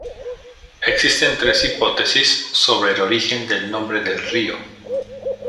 Existen tres hipótesis sobre el origen del nombre del río.